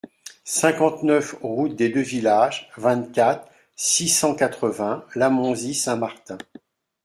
cinquante-neuf route des Deux Villages, vingt-quatre, six cent quatre-vingts, Lamonzie-Saint-Martin